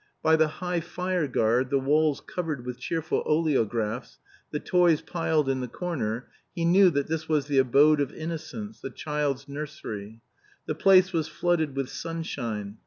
By the high fire guard, the walls covered with cheerful oleographs, the toys piled in the corner, he knew that this was the abode of innocence, a child's nursery. The place was flooded with sunshine.